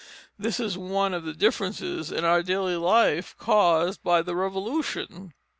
This is one of the differences in our daily life caused by the Revolution.